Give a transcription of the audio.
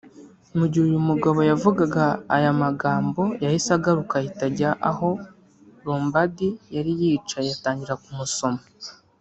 Mu gihe uyu mugabo yavugaga aya magambo yahise ahaguruka ahita ajya aho Lombardi yari yicaye atangira kumusoma